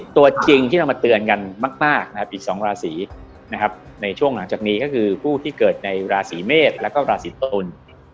ตัวจริงที่เรามาเตือนกันมากนะครับอีก๒ราศีนะครับในช่วงหลังจากนี้ก็คือผู้ที่เกิดในราศีเมษแล้วก็ราศีตุล